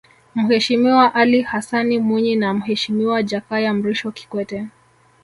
Mheshimiwa Alli Hassani Mwinyi na Mheshimiwa Jakaya Mrisho Kikwete